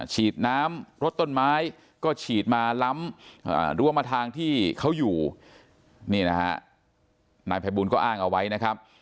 ฉีดน้ำรถต้นไม้ก็ฉีดมาล้ำรั้วมาทางที่เขาอยู่นี่นะฮะนายภัยบูลก็อ้างเอาไว้นะครับ